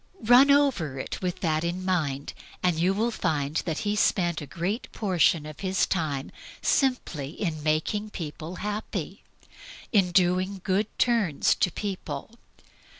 Run over it with that in view, and you will find that He spent a great proportion of His time simply in making people happy, in DOING GOOD TURNS to people.